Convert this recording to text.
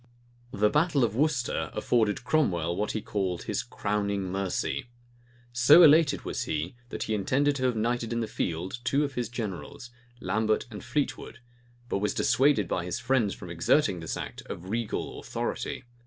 [*] The battle of Worcester, afforded Cromwell what he called his "crowning mercy."[] So elated was he, that he intended to have knighted in the field two of his generals, Lambert and Fleetwood; but was dissuaded by his friends from exerting this act of regal authority.